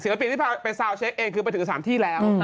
ศิลปินที่ไปซาวน์เช็คเองคือไปถึง๓ที่แล้ว